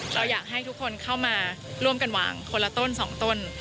เราอยากให้ทุกคนเข้ามาร่วมกันวางคนละต้น๒ต้น